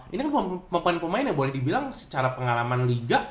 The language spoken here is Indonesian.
ini kan pemain pemain yang boleh dibilang secara pengalaman liga